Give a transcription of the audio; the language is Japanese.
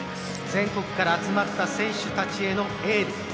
全国から集まった選手へのエール。